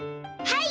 はい！